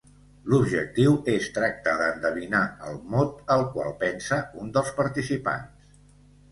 L'objectiu és tractar d'endevinar el mot al qual pensa un dels participants.